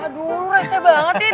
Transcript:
aduh lu resah banget ya